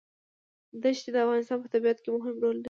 دښتې د افغانستان په طبیعت کې مهم رول لري.